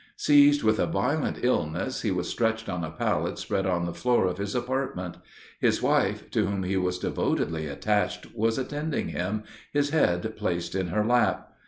Seized with a violent illness, he was stretched on a pallet spread on a floor of his apartment; his wife, to whom he was devotedly attached, was attending him, his head placed in her lap.